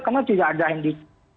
karena tidak ada yang di